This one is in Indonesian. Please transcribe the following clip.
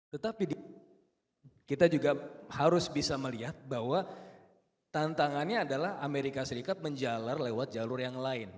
tetapi kita juga harus bisa melihat bahwa tantangannya adalah amerika serikat menjalar lewat jalur yang lain